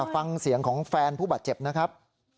ฟังเสียงของแฟนผู้บาดเจ็บนะครับ